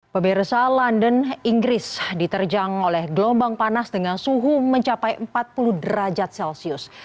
pemirsa london inggris diterjang oleh gelombang panas dengan suhu mencapai empat puluh derajat celcius